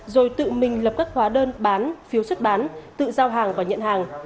rồi tự mình lập các hóa đơn bán phiếu xuất bán tự giao hàng và nhận hàng